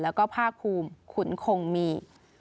แล้วก็ภาคภูมิขุนคงมี